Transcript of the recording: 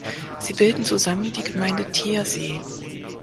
Sie bilden zusammen die Gemeinde Thiersee.